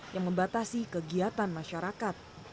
yang membatasi kegiatan masyarakat